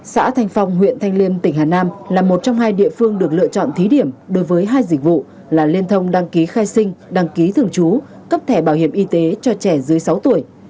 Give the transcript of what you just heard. xã thanh phong huyện thanh liêm tỉnh hà nam là một trong hai địa phương được lựa chọn thí điểm đối với hai dịch vụ là liên thông đăng ký khai sinh đăng ký thường trú cấp thẻ bảo hiểm y tế cho trẻ dưới sáu tuổi